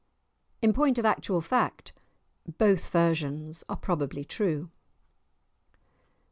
In point of actual fact, both versions are probably true!